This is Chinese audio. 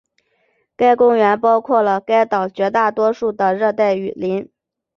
该公园包括了该岛绝大多数的热带雨林。